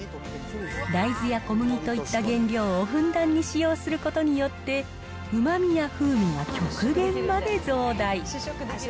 大豆や小麦といった原料をふんだんに使用することによって、うまみや風味が極限まで増大。